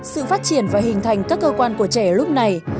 sự phát triển và hình thành các cơ quan của trẻ lúc này